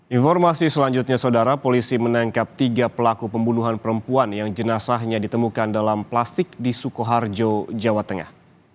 informasi selanjutnya saudara polisi menangkap tiga pelaku pembunuhan perempuan yang jenazahnya ditemukan dalam plastik di sukoharjo jawa tengah